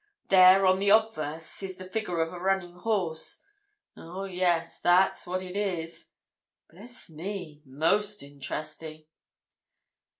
There, on the obverse, is the figure of a running horse. Oh, yes, that's what it is! Bless me!—most interesting."